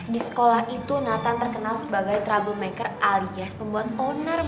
di sekolah itu natan terkenal sebagai troublemaker alias pembuat onar mah